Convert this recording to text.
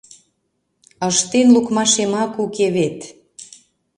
Ыштен лукмашемак уке вет!